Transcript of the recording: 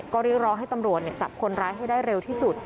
ก็เรียกร้องให้ตำรวจจับคนร้ายให้ได้เร็วที่สุด